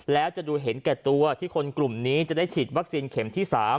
แล้วจะดูเห็นแก่ตัวที่คนกลุ่มนี้จะได้ฉีดวัคซีนเข็มที่๓